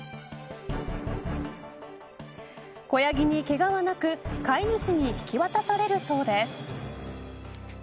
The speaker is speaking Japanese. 子ヤギにけがはなく飼い主に引き渡されるそうです。